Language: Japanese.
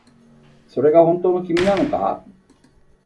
それが本当の君なのか